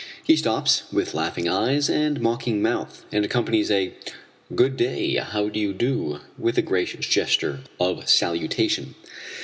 He stops, with laughing eyes and mocking mouth, and accompanies a "Good day, how do you do?" with a gracious gesture of salutation.